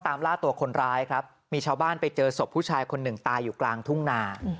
ล่าตัวคนร้ายครับมีชาวบ้านไปเจอศพผู้ชายคนหนึ่งตายอยู่กลางทุ่งนา